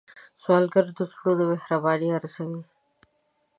سوالګر د زړونو مهرباني ارزوي